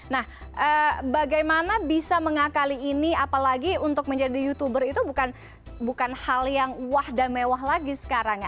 nah bagaimana bisa mengakali ini apalagi untuk menjadi youtuber itu bukan hal yang wah dan mewah lagi sekarang ya